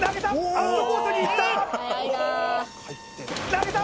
アウトコースにいった投げた！